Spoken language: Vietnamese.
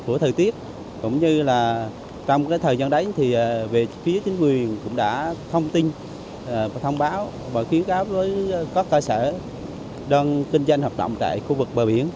cũng như là trong cái thời gian đấy thì về phía chính quyền cũng đã thông tin và thông báo và ký cáo với các cơ sở đơn kinh doanh hợp động tại khu vực bờ biển